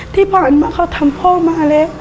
ที่ผ่านมาเขาทำพ่อมาแล้ว